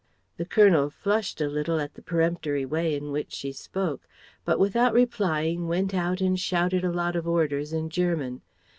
The Colonel flushed a little at the peremptory way in which she spoke, but without replying went out and shouted a lot of orders in German.